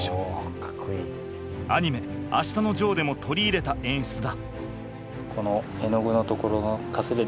アニメ「あしたのジョー」でも取り入れた演出だ。